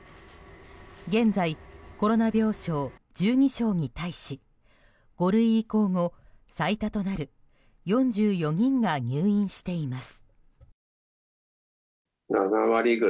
現在、コロナ病床１２床に対し５類移行後最多となる４４人が入院しています。